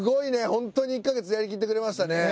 ほんとに１ヵ月やりきってくれましたね。